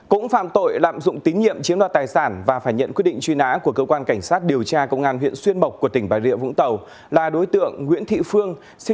cũng phạm tội lạm dụng tín nhiệm chiếm đoạt tài sản và phải nhận quyết định truy nã